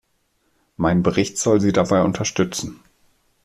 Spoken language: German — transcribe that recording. Mein Bericht soll sie dabei unterstützen.